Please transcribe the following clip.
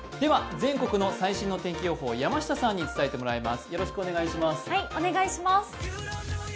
全国の最新の天気予報、山下さんに伝えてもらいます。